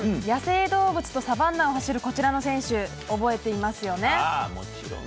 野生動物とサバンナを走るこちらの選手覚えてますよね？